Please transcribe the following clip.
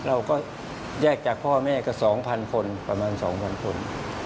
เราก็แยกจากพ่อแม่ก็๒๐๐คนประมาณ๒๐๐คน